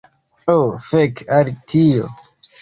Ho, fek' al tio!